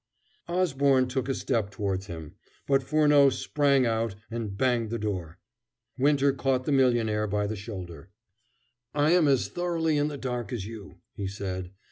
Osborne took a step towards him, but Furneaux sprang out and banged the door. Winter caught the millionaire by the shoulder. "I am as thoroughly in the dark as you," he said.